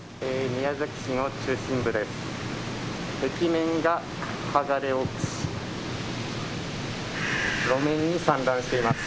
宮崎市の中心部です。